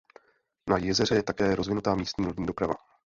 Na jezeře je také rozvinutá místní lodní doprava.